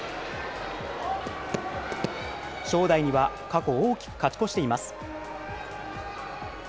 正代には過去大きく勝ち越しています。